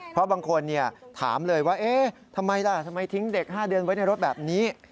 เพราะบางคนถามเลยว่าเอ๊ะทำไมล่ะทำไมทิ้งเด็ก๕เดือนไว้ในรถแบบนี้